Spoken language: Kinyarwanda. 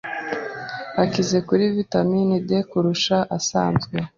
akize kuri vitamini D kurusha asanzwe